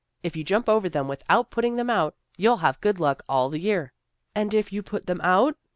If you jump over them without putting them out, you'll have good luck all the year." " And if you put them out?